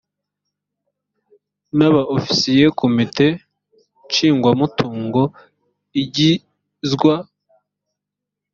na ba ofisiye komite nshingwamutungo igizwa